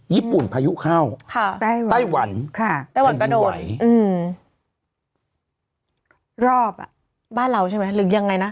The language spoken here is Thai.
ญี่ปุ่นพายุเข้าตะวันแผ่นดินไหวรอบอ่ะบ้านเราใช่ไหมหรือยังไงนะ